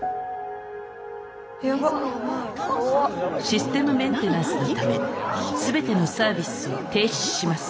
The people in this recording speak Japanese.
システムメンテナンスのため全てのサービスを停止します。